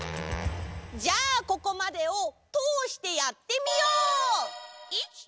じゃあここまでをとおしてやってみよう！